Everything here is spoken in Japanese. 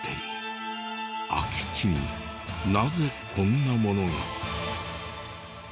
空き地になぜこんなものが？